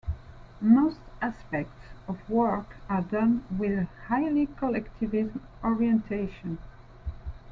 Most aspects of work are done with a highly collectivist orientation.